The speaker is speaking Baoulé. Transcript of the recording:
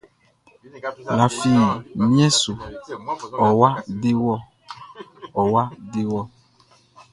Lafi mien su, ɔwa dewɔ, ɔwa dewɔ!